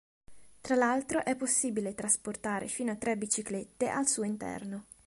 Tra l'altro è possibile trasportare fino a tre biciclette al suo interno.